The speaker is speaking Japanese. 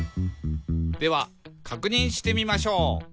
「ではかくにんしてみましょう」